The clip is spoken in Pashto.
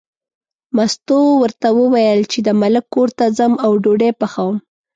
مستو ورته وویل چې د ملک کور ته ځم او ډوډۍ پخوم.